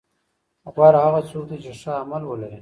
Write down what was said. غوره هغه څوک دی چې ښه عمل ولري.